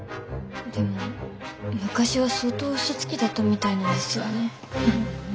でも昔は相当嘘つきだったみたいなんですよね。